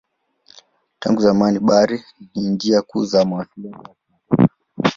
Tangu zamani bahari ni njia kuu za mawasiliano ya kimataifa.